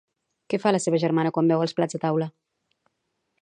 Què fa la seva germana quan veu els plats a taula?